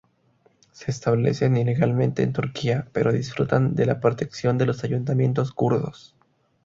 Se establecen ilegalmente en Turquía, pero disfrutan de la protección de los ayuntamientos kurdos.